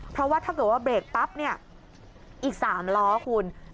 เพราะว่าถ้าเกิดว่าเบรกปั๊บเนี่ยอีก๓ล้อคุณ